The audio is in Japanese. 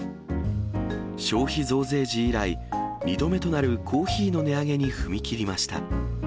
消費増税時以来、２度目となるコーヒーの値上げに踏み切りました。